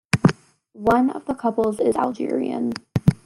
One of the couples is Algerian.